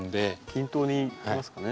均等にいきますかね。